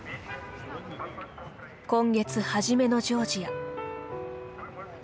今月初めのジョージア。